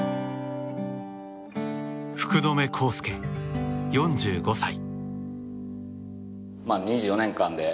福留孝介、４５歳。